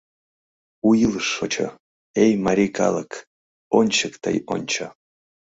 У илыш шочо, Эй, марий калык, ончык тый ончо!